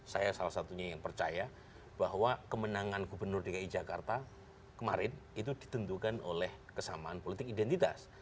saya salah satunya yang percaya bahwa kemenangan gubernur dki jakarta kemarin itu ditentukan oleh kesamaan politik identitas